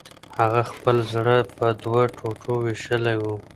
هغه خپل زړه په دوو ټوټو ویشلی و